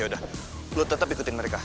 yaudah lu tetap ikutin mereka